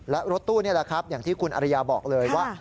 และรถตู้นี่แหละครับอย่างที่คุณอริยาบอกเลยว่า